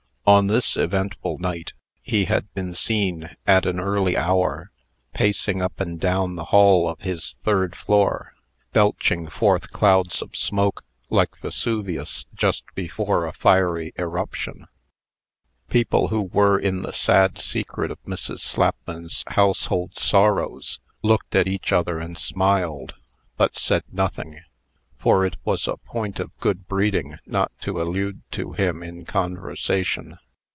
On this eventful night, he had been seen, at an early hour, pacing up and down the hall of his third floor, belching forth clouds of smoke, like Vesuvius just before a fiery eruption. People who were in the sad secret of Mrs. Slapman's household sorrows, looked at each other and smiled, but said nothing; for it was a point of good breeding not to allude to him in conversation.